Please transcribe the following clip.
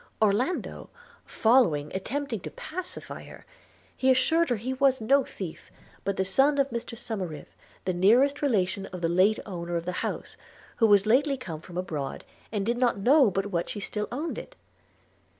Orlando, following, attempted to pacify her: he assured her he was no thief, but the son of Mr Somerive, the nearest relation of the late owner of the house, who was lately come from abroad, and did not know but what she still owned it.